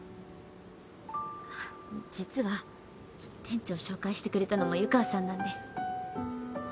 あっ実は店長紹介してくれたのも湯川さんなんです。